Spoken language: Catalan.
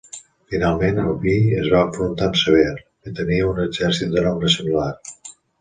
Finalment, Albí es va enfrontar amb Sever, que tenia un exèrcit de nombre similar.